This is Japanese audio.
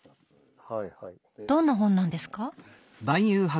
どんな本なんですか？